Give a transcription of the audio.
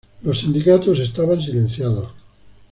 Los sindicatos estaban silenciados.